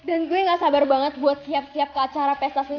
dan gue ga sabar banget buat siap siap ke acara pesta seni